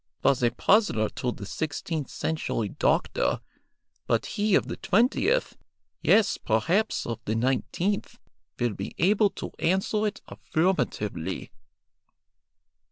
was a puzzler to the sixteenth century doctor, but he of the twentieth, yes, perhaps of the nineteenth, will be able to answer it affirmatively."